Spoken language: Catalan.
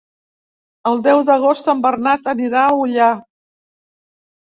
El deu d'agost en Bernat anirà a Ullà.